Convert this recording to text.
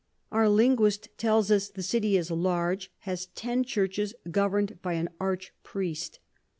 Our Linguist tells us the City is large, has ten Churches govern'd by an Arch Priest.